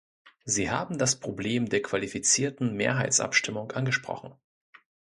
Sie haben das Problem der qualifizierten Mehrheitsabstimmung angesprochen.